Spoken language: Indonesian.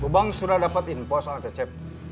gopang sudah dapetin info soal cecep